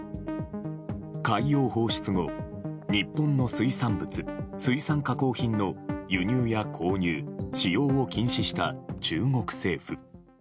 海洋放出後、日本の水産物水産加工品の輸入や購入・使用を禁止した中国政府。